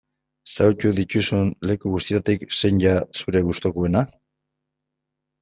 Ezagutu dituzun leku guztietatik zein da zure gustukoena?